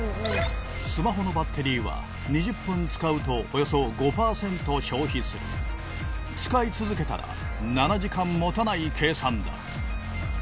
スマホのバッテリーは２０分使うとおよそ５％消費する使い続けたら７時間持たない計算だ